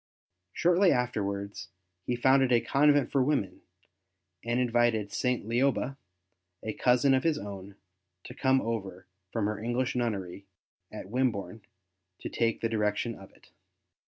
Shortly after no ST. BENEDICT wards he founded a convent for women and invited St. Lioba, a cousin of his own, to come over from her English nunner}^ at Wimborne to take the direction of it.